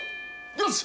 よし！